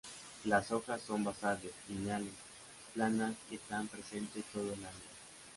Las hojas son basales, lineales, planas y están presente todo el año.